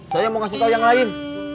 saya mau kasih tahu yang lain